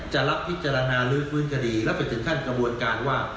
รับพิจารณาลื้อฟื้นคดีแล้วไปถึงขั้นกระบวนการว่า